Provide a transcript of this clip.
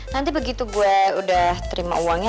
nanti begitu gue udah terima uangnya